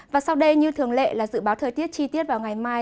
và sau đây như thường lệ là dự báo thời tiết chi tiết vào ngày mai